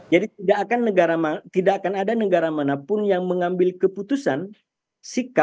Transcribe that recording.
jadi tidak akan negara tidak akan ada negara manapun yang mengambil keputusan sikap berkaitan dengan konflik di luar